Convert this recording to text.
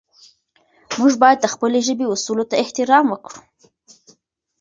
موږ باید د خپلې ژبې اصولو ته احترام وکړو.